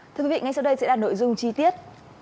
thưa quý vị ngay sau đây sẽ là nội dung chi tiết